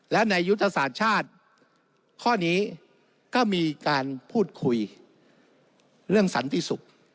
และในยุทธศาสตร์ชาติข้อนี้ก็มีการพูดคุยเรื่องสันติศุกร์